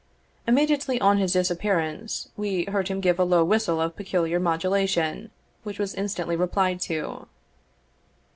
Immediately on his disappearance, we heard him give a low whistle of peculiar modulation, which was instantly replied to.